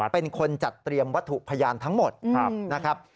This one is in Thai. เป็นคนจัดเตรียมวัตถุพยานทั้งหมดนะครับ